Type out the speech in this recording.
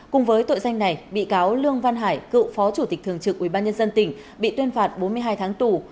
cùng với tội danh này bị cáo lương văn hải cựu phó chủ tịch thường trực ubnd tỉnh bị tuyên phạt bốn mươi hai tháng tù